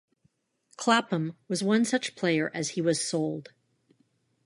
Clapham was one such player as he was sold.